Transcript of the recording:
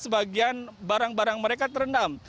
barang barang mereka terendam